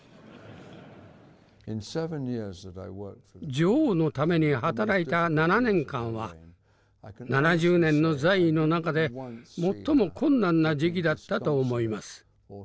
女王のために働いた７年間は７０年の在位の中で最も困難な時期だったと思います。